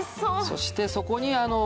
そしてそこに。